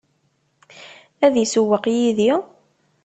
Ad isewweq yid-i?